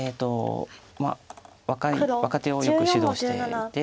若手をよく指導していて。